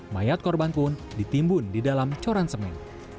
mayat korban pun ditimbun di dalam coran semen